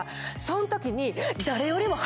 そんときに。